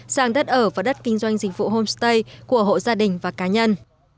sang đất ở và đất kinh doanh dịch vụ homestay của hộ gia đình và cá nhân